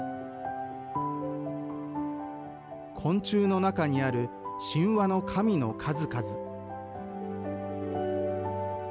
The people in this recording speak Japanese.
昆虫の中にある神話の神の数々。